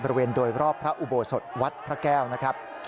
บริเวณโดยรอบพระอุโบสถวัดพระแก้วนะครับ